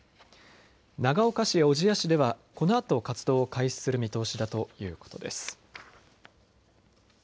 長岡市、小千谷市ではこのあと活動を開始する見通しだということです。